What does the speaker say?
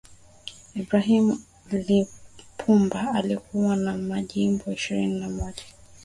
brahim lipumba akiwa na majimbo ishirini na moja